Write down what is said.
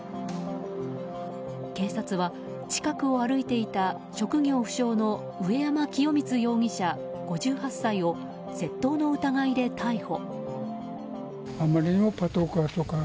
警察は近くを歩いていた職業不詳の上山清三容疑者、５８歳を窃盗の疑いで逮捕。